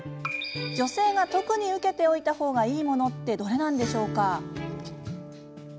女性が特に受けておいたほうがいいものってどれなんでしょうか？